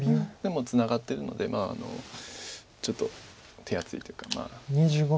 でもツナがってるのでちょっと手厚いというか。